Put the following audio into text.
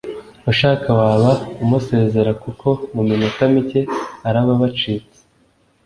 ushaka waba umusezera kuko muminota mike araba abacitse